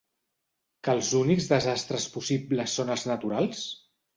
Que els únics desastres possibles són els naturals?